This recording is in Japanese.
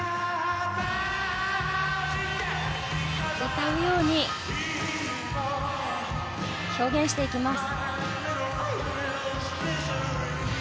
歌うように表現していきます。